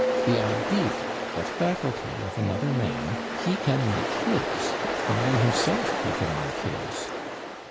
The idea, the faculty of another man, he can make his; the man himself he can make his.